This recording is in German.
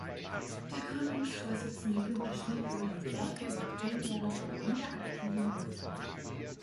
Der Gründungsvorsitzende Günter Schmidt wurde im gleichen Jahr Fluglehrer bei der wieder aktiven Lufthansa.